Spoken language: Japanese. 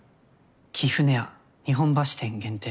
貴船屋日本橋店限定